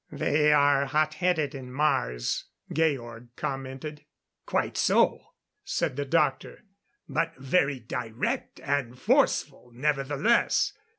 "They are hot headed, in Mars," Georg commented. "Quite so," said the doctor. "But very direct and forceful, nevertheless.